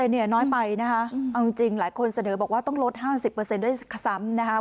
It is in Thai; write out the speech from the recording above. เนี่ยน้อยไปนะคะเอาจริงหลายคนเสนอบอกว่าต้องลด๕๐ด้วยซ้ำนะคะ